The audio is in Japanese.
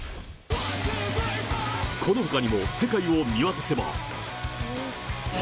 このほかにも世界を見渡せば。